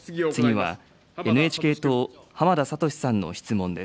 次はＮＨＫ党、浜田聡さんの質問です。